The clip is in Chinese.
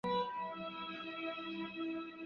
左侧绿树枝叶婆娑